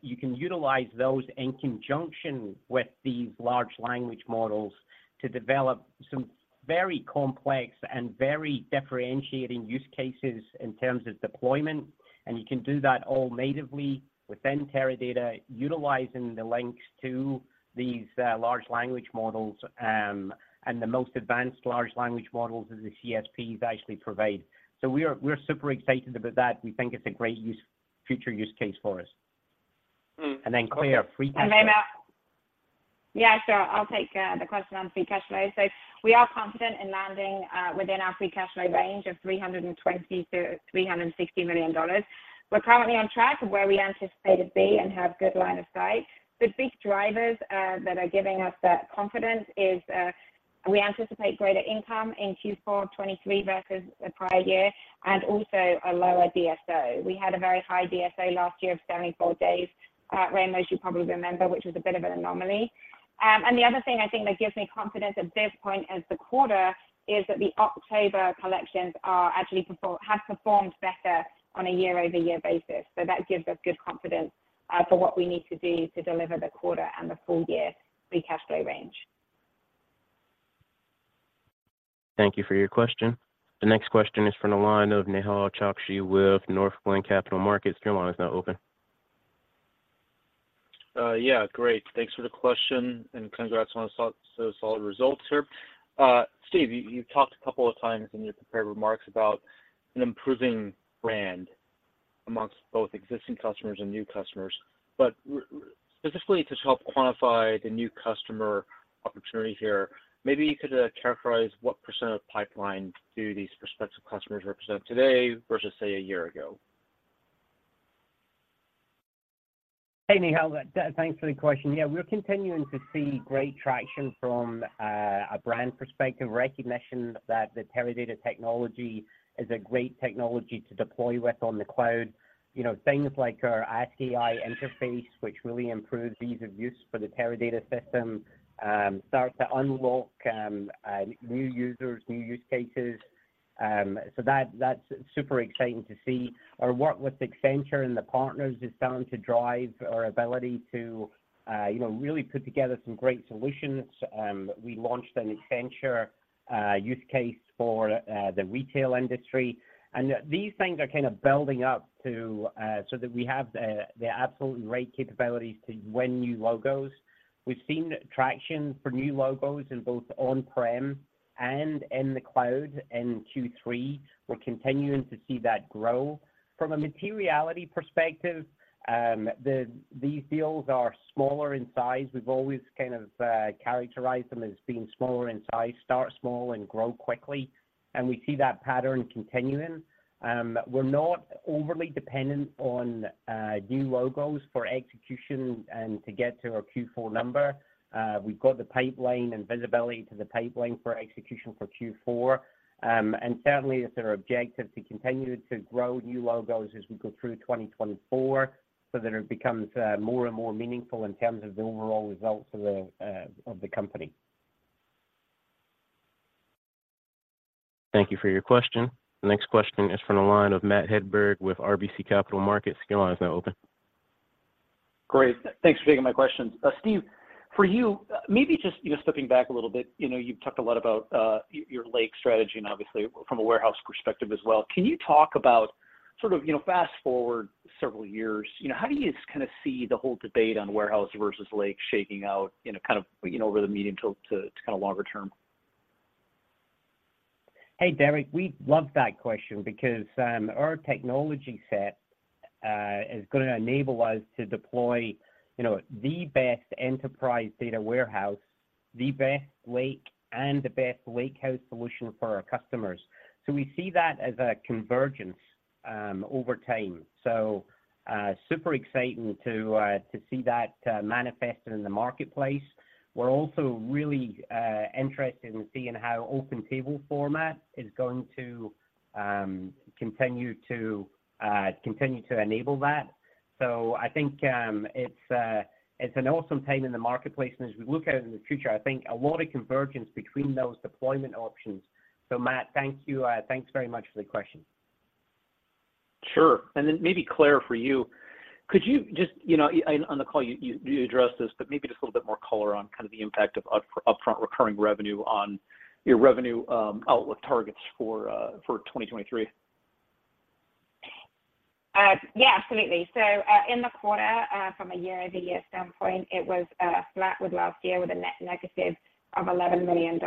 You can utilize those in conjunction with these large language models to develop some very complex and very differentiating use cases in terms of deployment, and you can do that all natively within Teradata, utilizing the links to these large language models, and the most advanced large language models that the CSPs actually provide. So we're, we're super excited about that. We think it's a great use, future use case for us. And then Claire, free cash flow. Yeah, so I'll take the question on free cash flow. So we are confident in landing within our free cash flow range of $320 million-$360 million. We're currently on track of where we anticipate to be and have good line of sight. The big drivers that are giving us that confidence is we anticipate greater income in Q4 2023 versus the prior year, and also a lower DSO. We had a very high DSO last year of 74 days, Raimo, as you probably remember, which was a bit of an anomaly. And the other thing I think that gives me confidence at this point in the quarter is that the October collections are actually have performed better on a year-over-year basis. So that gives us good confidence for what we need to do to deliver the quarter and the full year free cash flow range. Thank you for your question. The next question is from the line of Nehal Chokshi with Northland Capital Markets. Your line is now open. Yeah, great. Thanks for the question, and congrats on the solid, solid results here. Steve, you talked a couple of times in your prepared remarks about an improving brand among both existing customers and new customers. But specifically to help quantify the new customer opportunity here, maybe you could characterize what % of the pipeline do these prospective customers represent today versus, say, a year ago? Hey, Nehal, thanks for the question. Yeah, we're continuing to see great traction from a brand perspective, recognition that the Teradata technology is a great technology to deploy with on the cloud. You know, things like our Ask.Ai interface, which really improves the ease of use for the Teradata system, start to unlock new users, new use cases. So that, that's super exciting to see. Our work with Accenture and the partners is starting to drive our ability to, you know, really put together some great solutions. We launched an Accenture use case for the retail industry, and these things are kind of building up to so that we have the absolutely right capabilities to win new logos. We've seen traction for new logos in both on-prem and in the cloud in Q3. We're continuing to see that grow. From a materiality perspective, these deals are smaller in size. We've always kind of characterized them as being smaller in size, start small and grow quickly, and we see that pattern continuing. We're not overly dependent on new logos for execution to get to our Q4 number. We've got the pipeline and visibility to the pipeline for execution for Q4. And certainly, it's our objective to continue to grow new logos as we go through 2024, so that it becomes more and more meaningful in terms of the overall results of the company. Thank you for your question. The next question is from the line of Matt Hedberg with RBC Capital Markets. Your line is now open. Great, thanks for taking my questions. Steve, for you, maybe just, you know, stepping back a little bit, you know, you've talked a lot about your Lake strategy and obviously from a warehouse perspective as well. Can you talk about sort of, you know, fast forward several years, you know, how do you kind of see the whole debate on warehouse versus Lake shaking out in a kind of, you know, over the medium to kind of longer term? Hey, Matt, we love that question because our technology set is gonna enable us to deploy, you know, the best enterprise data warehouse, the best lake and the best lakehouse solution for our customers. So we see that as a convergence over time. So, super exciting to see that manifested in the marketplace. We're also really interested in seeing how open table format is going to continue to enable that. So I think it's an awesome time in the marketplace, and as we look out in the future, I think a lot of convergence between those deployment options. So Matt, thank you. Thanks very much for the question. Sure. And then maybe, Claire, for you, could you just, you know, and on the call, you, you addressed this, but maybe just a little bit more color on kind of the impact of upfront recurring revenue on your revenue outlook targets for 2023. Yeah, absolutely. So, in the quarter, from a year-over-year standpoint, it was flat with last year with a net negative of $11 million.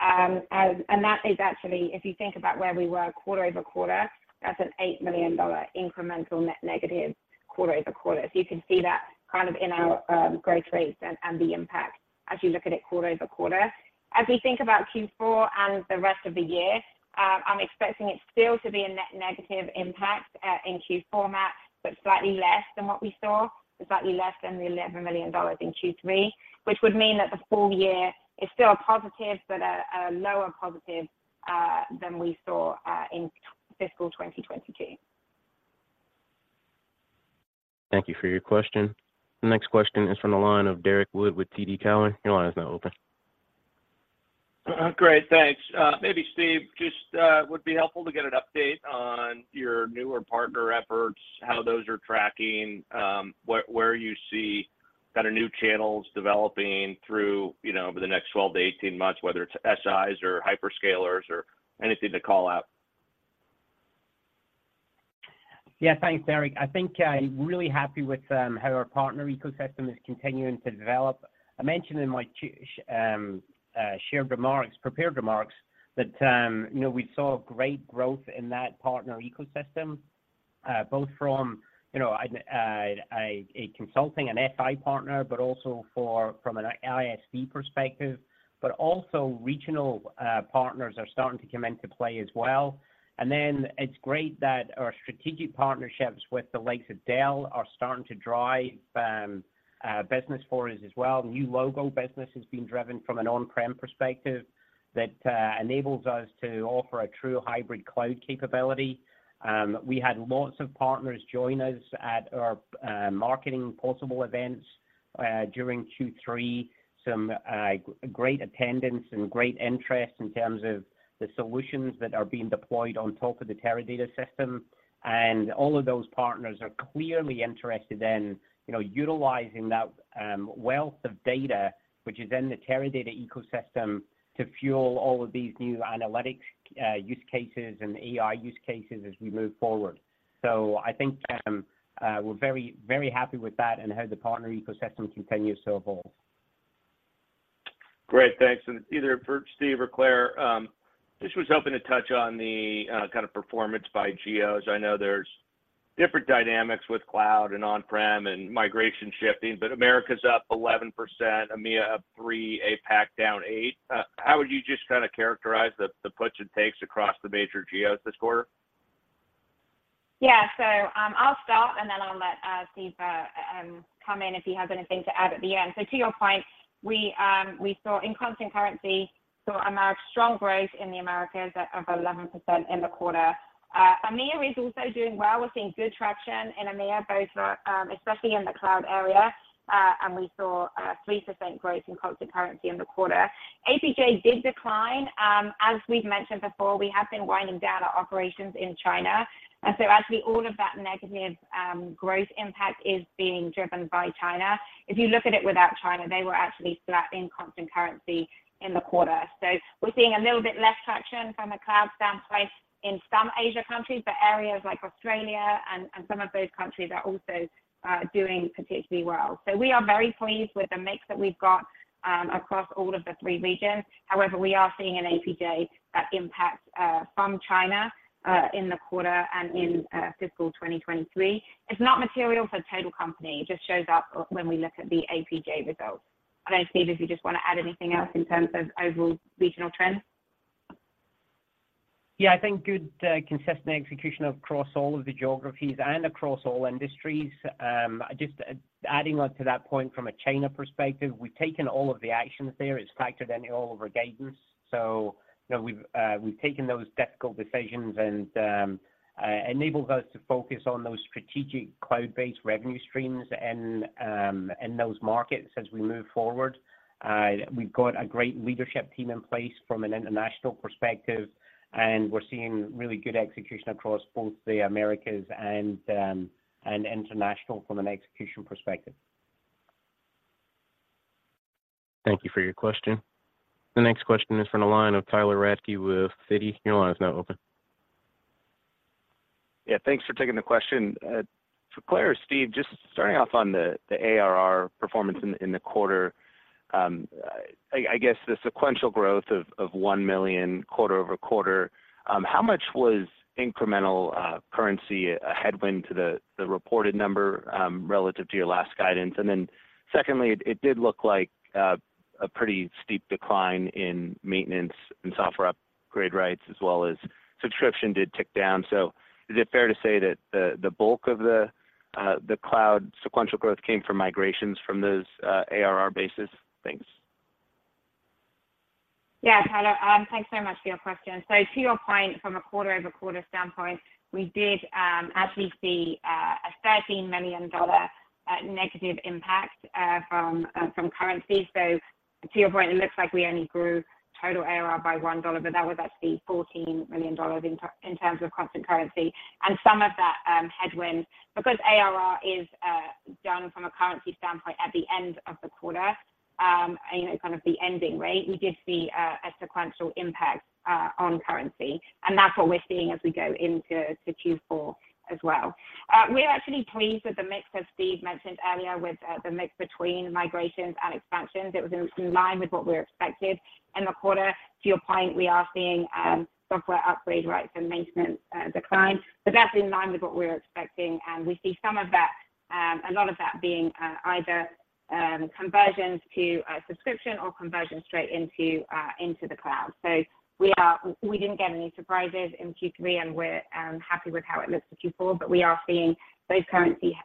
And that is actually, if you think about where we were quarter-over-quarter, that's an $8 million incremental net negative quarter-over-quarter. So you can see that kind of in our growth rates and the impact as you look at it quarter-over-quarter. As we think about Q4 and the rest of the year, I'm expecting it still to be a net negative impact in Q4, Matt, but slightly less than what we saw. Slightly less than the $11 million in Q3, which would mean that the full year is still a positive, but a lower positive than we saw in fiscal 2022. Thank you for your question. The next question is from the line of Derrick Wood with TD Cowen. Your line is now open. Great, thanks. Maybe Steve, just would be helpful to get an update on your newer partner efforts, how those are tracking, where you see kind of new channels developing through, you know, over the next 12-18 months, whether it's SIs or hyperscalers or anything to call out. Yeah, thanks, Derrick. I think I'm really happy with how our partner ecosystem is continuing to develop. I mentioned in my prepared remarks that, you know, we saw great growth in that partner ecosystem, both from, you know, a consulting, an SI partner, but also from an ISV perspective. But also regional partners are starting to come into play as well. And then it's great that our strategic partnerships with the likes of Dell are starting to drive business for us as well. New logo business is being driven from an on-prem perspective that enables us to offer a true hybrid cloud capability. We had lots of partners join us at our Teradata Possible events during Q3. Some great attendance and great interest in terms of the solutions that are being deployed on top of the Teradata system. And all of those partners are clearly interested in, you know, utilizing that wealth of data, which is in the Teradata ecosystem, to fuel all of these new analytics use cases and AI use cases as we move forward. So I think we're very, very happy with that and how the partner ecosystem continues to evolve. Great, thanks. And either for Steve or Claire, just was hoping to touch on the, kind of performance by geos. I know there's different dynamics with cloud and on-prem and migration shifting, but Americas up 11%, EMEA up 3%, APAC down 8%. How would you just kind of characterize the, the puts and takes across the major geos this quarter? Yeah. So, I'll start, and then I'll let Steve come in if he has anything to add at the end. So to your point, we saw in constant currency strong growth in the Americas of 11% in the quarter. EMEA is also doing well. We're seeing good traction in EMEA, both especially in the cloud area, and we saw a 3% growth in constant currency in the quarter. APJ did decline. As we've mentioned before, we have been winding down our operations in China, and so actually all of that negative growth impact is being driven by China. If you look at it without China, they were actually flat in constant currency in the quarter. So we're seeing a little bit less traction from a cloud standpoint in some Asia countries, but areas like Australia and some of those countries are also doing particularly well. So we are very pleased with the mix that we've got across all of the three regions. However, we are seeing an APJ that impacts from China in the quarter and in fiscal 2023. It's not material for the total company. It just shows up when we look at the APJ results. I don't know, Steve, if you just want to add anything else in terms of overall regional trends? Yeah, I think good, consistent execution across all of the geographies and across all industries. Just adding on to that point from a China perspective, we've taken all of the actions there. It's factored in all of our guidance. So, you know, we've taken those difficult decisions and enabled us to focus on those strategic cloud-based revenue streams in, in those markets as we move forward. We've got a great leadership team in place from an international perspective, and we're seeing really good execution across both the Americas and, and international from an execution perspective. Thank you for your question. The next question is from the line of Tyler Radke with Citi. Your line is now open. Yeah, thanks for taking the question. For Claire or Steve, just starting off on the ARR performance in the quarter, I guess the sequential growth of $1 million quarter-over-quarter, how much was incremental currency a headwind to the reported number, relative to your last guidance? And then secondly, it did look like a pretty steep decline in maintenance and software upgrade rights as well as subscription did tick down. So is it fair to say that the bulk of the cloud sequential growth came from migrations from those ARR basis? Thanks. Yeah, Tyler, thanks so much for your question. So to your point, from a quarter-over-quarter standpoint, we did actually see a $13 million negative impact from currency. So to your point, it looks like we only grew total ARR by $1, but that was actually $14 million in terms of constant currency and some of that headwind because ARR is down from a currency standpoint at the end of the quarter, you know, kind of the ending rate. We did see a sequential impact on currency, and that's what we're seeing as we go into Q4 as well. We're actually pleased with the mix, as Steve mentioned earlier, with the mix between migrations and expansions. It was in line with what we expected in the quarter. To your point, we are seeing software upgrade rights and maintenance decline, but that's in line with what we're expecting, and we see some of that, a lot of that being either conversions to a subscription or conversions straight into the cloud. So we didn't get any surprises in Q3, and we're happy with how it looks for Q4, but we are seeing those currency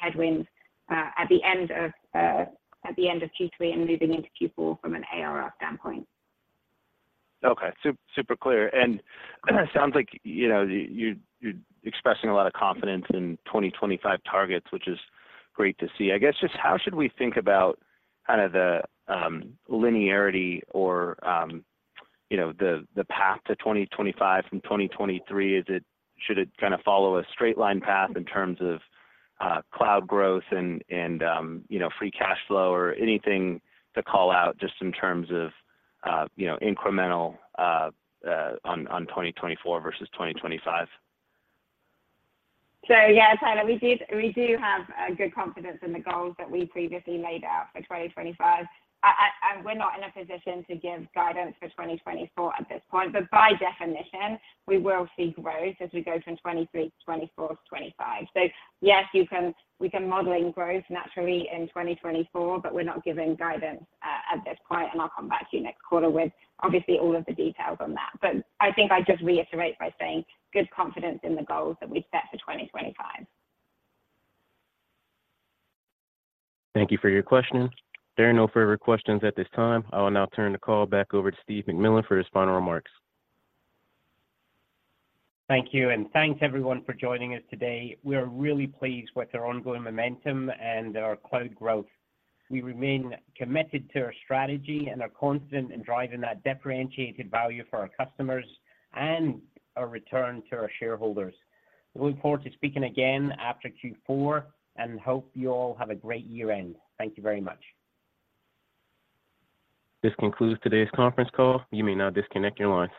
headwinds at the end of Q3 and moving into Q4 from an ARR standpoint. Okay, super clear. It sounds like, you know, you're expressing a lot of confidence in 2025 targets, which is great to see. I guess just how should we think about kind of the linearity or, you know, the path to 2025 from 2023? Is it... Should it kind of follow a straight line path in terms of cloud growth and, you know, free cash flow or anything to call out just in terms of, you know, incremental on 2024 versus 2025? So, yeah, Tyler, we do have good confidence in the goals that we previously laid out for 2025. And we're not in a position to give guidance for 2024 at this point, but by definition, we will see growth as we go from 2023 to 2024 to 2025. So yes, we can model in growth naturally in 2024, but we're not giving guidance at this point, and I'll come back to you next quarter with obviously all of the details on that. But I think I'd just reiterate by saying good confidence in the goals tat we set for 2025. Thank you for your question. There are no further questions at this time. I will now turn the call back over to Steve McMillan for his final remarks. Thank you, and thanks, everyone, for joining us today. We are really pleased with our ongoing momentum and our cloud growth. We remain committed to our strategy and are confident in driving that differentiated value for our customers and a return to our shareholders. We look forward to speaking again after Q4 and hope you all have a great year-end. Thank you very much. This concludes today's conference call. You may now disconnect your line.